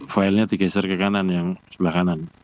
filenya digeser ke kanan yang sebelah kanan